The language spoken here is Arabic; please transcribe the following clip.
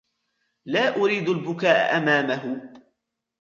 لا أريد البكاء أمامهُ.